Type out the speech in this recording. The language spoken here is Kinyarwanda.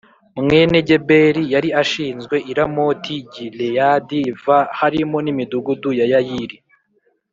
Mwene geberi yari ashinzwe i ramoti gileyadi v harimo n imidugudu ya yayiri